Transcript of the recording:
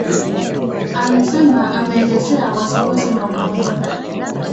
Alisema ameelezea wasiwasi wa umoja